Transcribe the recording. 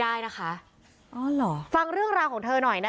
วิทยาลัยศาสตรี